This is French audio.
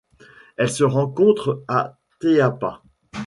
Elle se rencontre à Teapa.